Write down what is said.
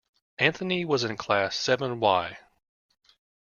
Anthony was in class seven Y.